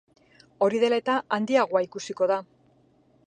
Hori dela eta, handiagoa ikusiko da.